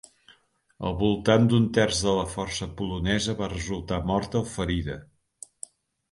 Al voltant d'un terç de la força polonesa va resultar morta o ferida.